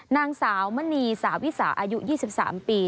นางสาวมณีสาวิสาอายุ๒๓ปี